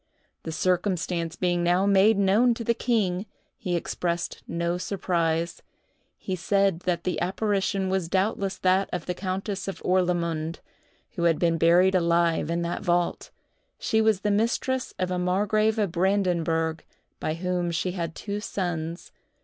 The circumstance being now made known to the king, he expressed no surprise; he said that the apparition was doubtless that of a countess of Orlamunde, who had been buried alive in that vault. She was the mistress of a margrave of Brandenburg, by whom she had two sons.